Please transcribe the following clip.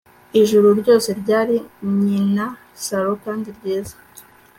Ijuru ryose ryari nyinaisaro kandi ryiza